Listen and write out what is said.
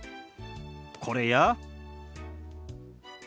これや。